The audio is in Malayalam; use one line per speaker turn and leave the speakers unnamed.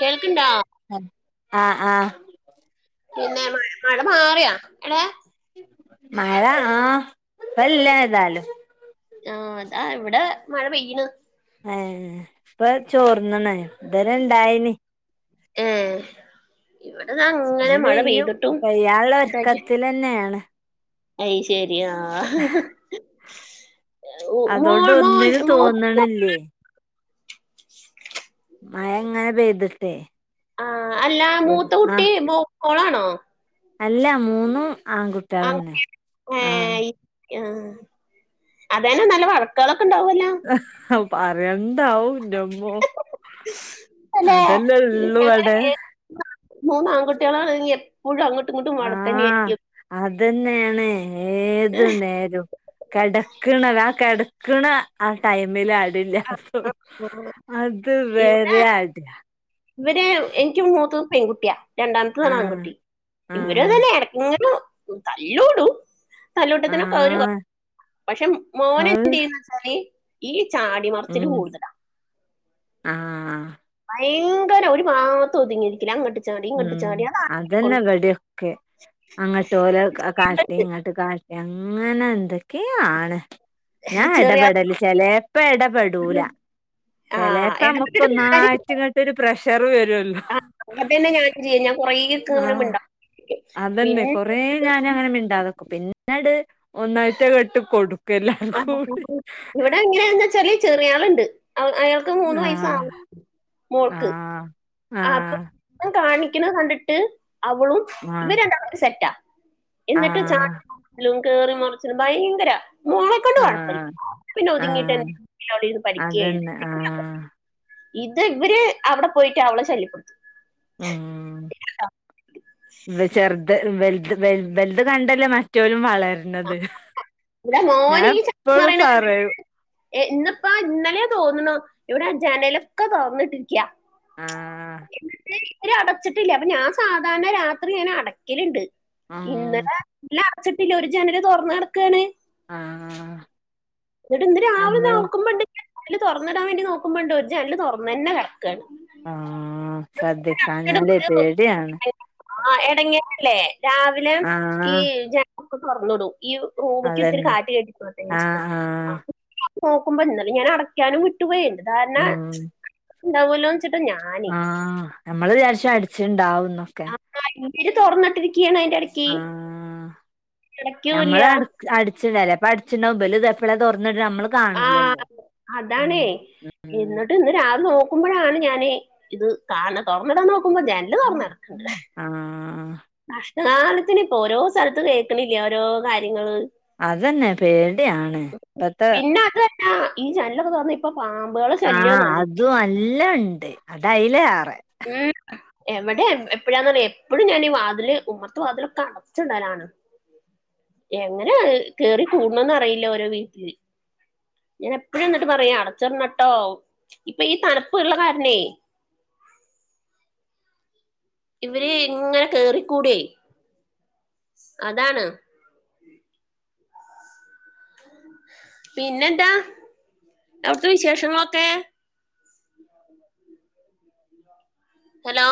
കേൾക്ക്ണ്ടാ
ആഹ് ആഹ്
പിന്നെ മഴ മാറിയ ഏ
മഴ ആഹ് പ്പല്ല ഏതാലും
ആഹ് താ ഇവ്ടെ മഴ പെയ്യ്ണ്
ഏ ഇപ്പ ചോർന്ന്ണ് ഇത്‌വരെ ഇണ്ടായിനി
ഏ ഇബടെതാങ്ങനെ മഴ പെയ്തിട്ടും ഇതാക്ക്
ഇതിലെന്നേണ്
അയ് ശെരി ആഹ്
അതോണ്ട് ഒന്നിനും
മൂ
തോന്ന്ണ്ല്ലേയ് മഴ ങ്ങനെ പെയ്ത്ട്ടേ
ആഹ് അല്ല മൂത്ത കുട്ടി മൊ മോളാണോ
അല്ല മൂന്നും ആൺകുട്ടിയാളന്നെ ആഹ്
ആഹ് അതേനെ നല്ല വർക്കേളൊക്കെണ്ടാവൊല്ലാ
പറെൻണ്ട ഹൗ ന്റെമ്മോ
അല്ല
ഉള്ളൂ
ഞാൻ ങ്ങനെ
ഇവടെ
കേ മൂന്നാങ്കുട്ടിയാളാണെങ്കി എപ്പൊഴും അങ്ങട്ടും ഇങ്ങട്ടും വഴക്കെന്നെ ഏയ്രിക്കും
അതെന്നേണ് ഏത് നേരോം കടക്ക്ണരാ കെട്ക്ക്ണ ആ ടൈമില ടി
ആ ആ
ഇല്ല്യത്തൊള്ളൂ അത്
ഇവിടെ
വെരെ അടിയാ
ഇവര് എനിക്ക് മൂത്തത് പെൺകുട്ടിയാ രണ്ടാമത്തതാണ്
ആഹ്
ആൺകുട്ടി ഇവര് ഇത്‌
ആഹ്
തന്നെ എടക്ക്ങ്ങനു തല്ലൂടും തല്ലുട്ടത്തിനൊക്കെ ഓര്
ആഹ്
പക്ഷെ
അഹ്
മോനെന്ത്യ്യുംന്ന്ചാല് ഈ ചാ ടി മർച്ചില്
ഉം
കൂടുതലാ
ആഹ്
ഭയങ്കര ഒരു ഭാത്ത് ഒതുങ്ങിയിരിക്കില്ല അങ്ങട്ട്
ഉം അതെന്നെ ഇവടിയൊക്കെ അങ്ങോട്ട് ഓലെ കാട്ടി ഇങ്ങ ട്ട് കാട്ടി അങ്ങനെ എന്തക്കേയാണ് ഞാൻ
ചെറിയ
എടപെടല് ചെലേപ്പോ എടപെടൂല
ആ
ചെലേപ്പൊ അമ്മക്ക്
ഇടപെട്ടിട്ട്
ഒന്നായിറ്റ്ങ്ങട്ടൊരു പ്രഷർ വെരൊല്ലോ
ആഹ് അങ്ങൻതന്നെ ഞാനും ചെയ്യല് ഞാൻ കൊറേക്കെങ്ങനെ മിണ്ടാ
അതെന്നെ കൊറേഞാനങ്ങനെ മിണ്ടാതെക്കും പിന്നാട് ഒന്നാഴ്ട്ട് അങ്ങട്ട് കൊട്ക്കും പ്പ് എല്ലാർക്കൂടി
ഇങ്ങനെണന്ന് വച്ചാല് ചെറിയാള്ണ്ട് അയാൾക്ക് മൂന്ന്
ആഹ്
വയസ്സാവുന്നൊള്ളു മോൾക്ക്
ആഹ്
അപ്പൊ
ആഹ്
കാണിക്കുന്നത് കണ്ടിട്ട് അവളും ഇവര് രണ്ടാളും ഒരു സെറ്റാ എന്നിട്ട് ചാ
ആഹ്
മറിച്ചിലും കേയറി മറിച്ചിലും ഭയങ്കരാ മോളെ കൊണ്ട്
ആഹ്
കൊഴപ്പല്ല്യ
ആഹ്
അവള് പിന്നെ
ആഹ്
ഒതുങ്ങിയിട്ടെന്നെ അവ്ടെ ഇരുന്ന് പഠിക്കേ യെഴ്
അതന്നെ
[unintelligible]
ആഹ്
ഇത് ഇവര് അവിടെ പോയിട്ട് അവളെ ശല്യപ്പെടുത്തും
ഉം ഇവൽ ചെർത് വെൽത് വെൽ ഇവൽത് കണ്ടല്ലേ മറ്റോലും വളര്
ആഹ് ആഹ് ആഹ് ഇവിടെ മോനീ ചാടി
എപ്പളും
മറീണെ കണ്ടിട്ട്
പറയും
എ ഇന്ന്പ്പോ ഇന്നലെ തോന്ന്ണു ഇവിടെ ജനലൊക്കെ തോറന്നിട്ടിരിക്ക്യാ
ആഹ,
അവ അടച്ചിട്ടില്ല അപ്പോ, ഞാൻ സാധാരണ രാത്രി ഞൻ അടക്കലുണ്ട്.
ഉം
ഇന്നലെ- അടച്ചിട്ടില്ല ഒരു ജനൽ തുറന്ന് ക ടക്കാണ്.
ആഹ്
ന്നട്ട ഇന്ന് രാവിലെ
നമ്മള്
നോക്കുമ്പോണ്ട്- അല് തുറന്നിടാൻ വേണ്ടി നോക്കുമ്പോണ്ട ഒരു ജനല് തുറന്നു തന്നെ കടക്കാണ്.
ആഹ ശ്രദ്ധിക്കാം ഞാലേ പേടിയാണ്.
ആ എടങ്ങേല്ലേ രാവിലെ ഈ
ആഹ്
ജനലൊക്കെ തുറന്നിടും. ഈ റൂമിക്ക് ഇത്തിരി
അതന്നെ
കാറ്റ് കേറിക്കോട്ടെ വെച്ചിട്ട്.
ആഹ് ആഹ്
നോക്കുമ്പോ ഇന്നല്ല ഞാൻ- അടയ്ക്കാനും വിട്ടുപോയുണ്ട്- എന്റെ ധാരണ
ഉം
ഉണ്ടാവുമല്ലോ. [unintelligible]
ആഹ് നമ്മള് വിചാരിച്ചം- അടിച്ചിട്ടുണ്ടാവന്നൊക്കെ.
ആ തുറന്നിട്ടിരിക്കയാണ് അയിന്റെ ഇടക്ക്
ആഹ്
അടക്കൂല്ല.
[unintelligible]
ആഹാ
ഉം
അതാണേ. എന്നിട്ട്
ഉം
ഇന്ന് രാവിലെ- നോക്കുമ്പോഴാണ് ഞാന് ഇത് കാണ. തുറന്നിടാൻ നോക്കുമ്പോൾ ഞാൻ- ജനല് തുറന്നു കടക്കുന്നുണ്ട്.
ആഹ...
കഷ്ടകാലത്തിന് ഇപ്പോ ഓരോ സ്ഥലത്ത കേൾക്കണില്ലേ ഓരോ കാര്യങ്ങള്.
അതന്നെ പേടിയാണ്. ഇപ്പത്തെ
പിന്നെ അതല്ല ഈ ചാനലൊക്കെ തോന്ന. ഇപ്പോ പാമ്പുകള്
ആഹ്
ശല്യംല്ല.
അതും അല്ല ഉണ്ട് അത അതില ആറെ.
ഏ. എവിടെ എപ്പോഴാന്ന് പറ എപ്പോഴും ഞാൻ ഈ വാതില് ഉമർത്ത് വാതിലൊക്കെ അടച്ചിടലാണ്. എങ്ങനാ കേറി കൂടണന്ന് അറിയില്ല ഓരോ വീട്ടില്. ഞാൻ എപ്പഴും എന്നിട്ട് പറയാ, അടച്ചിറിഞ്ഞട്ടോ ഇപ്പോ ഈ തനുപ്പ ഉള്ള കാരനേ. ഇവര് ഇങ്ങനെ കേറിക്കൂട അതാണ്. പിന്നെന്താ അവിടുത്തെ വിശേഷങ്ങളൊക്കെ? ഹലോ...